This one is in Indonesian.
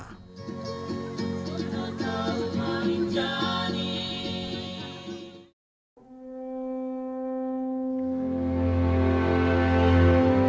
kini tak ada lagi dinding pemisah antara penduduk desa termasuk agama